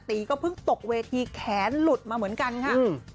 ตีก็เพิ่งตกเวทีแขนหลุดมาเหมือนกันค่ะ